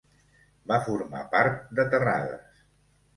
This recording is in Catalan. Va formar part de Terrades.